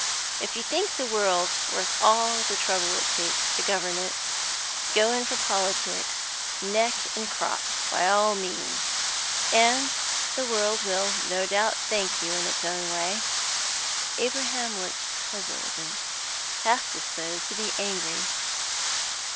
If you think the world worth all the trouble it takes to govern it, go in for politics neck and crop, by all means, and the world will no doubt thank you in its own way." Abraham looked puzzled, and half disposed to be angry.